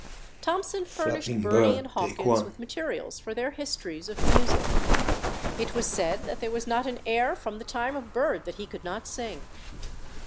Thomson furnished Burney and Hawkins with materials for their histories of music. It was said that there was not an air from the time of Bird that he could not sing.